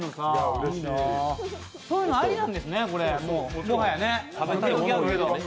こういうのありなんですね。